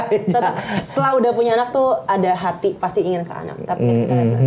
tetap setelah udah punya anak tuh ada hati pasti ingin ke anak tapi